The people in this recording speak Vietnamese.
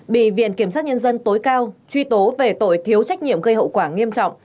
bị viện kiểm sát nhân dân tối cao truy tố về tội thiếu trách nhiệm gây hậu quả nghiêm trọng